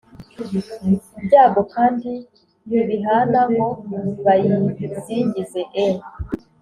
byago kandi ntibihana ngo bayisingize e